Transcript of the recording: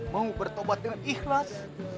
mau bertobat dengan ikhlas